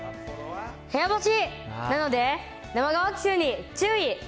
部屋干し、なので、生乾き臭に注意。